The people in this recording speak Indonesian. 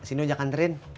sini ujak antarin